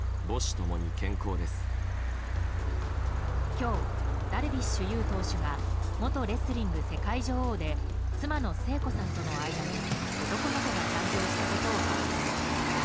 今日、ダルビッシュ有投手が元レスリング世界女王で妻の聖子さんとの間に男の子が誕生したことを発表。